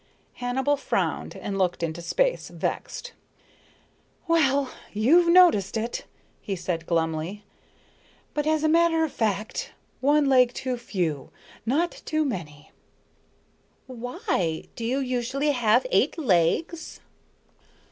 Hannibal frowned and looked into space, vexed. "Well, you've noticed it," he said glumly. "But as a matter of fact one leg too few, not too many." "Why? Do you usually have eight legs?"